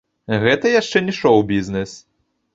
Гэта яшчэ не шоў-бізнэс.